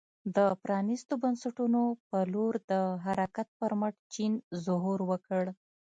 د پرانیستو بنسټونو په لور د حرکت پر مټ چین ظهور وکړ.